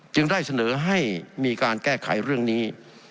จึงได้เสนอให้มีการแก้ไขเรื่องนี้